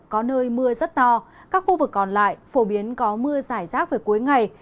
có nơi mưa rất to các khu vực còn lại phổ biến có mưa giải rác về cuối ngày